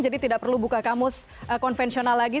jadi tidak perlu buka kamus konvensional lagi